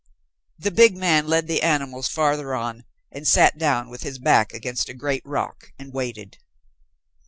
The big man led the animals farther on and sat down with his back against a great rock, and waited.